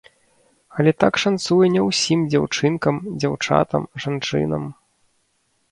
Але так шанцуе не ўсім дзяўчынкам, дзяўчатам, жанчынам.